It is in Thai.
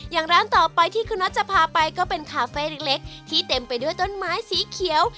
อย่างร้านต่อไปที่คุณน็อตจะพาไปก็เป็นคาเฟ่เล็กที่เต็มไปด้วยต้นไม้สีเขียว